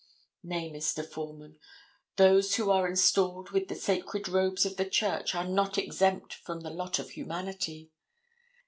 Nay, Mr. Foreman, those who are installed with the sacred robes of the church are not exempt from the lot of humanity.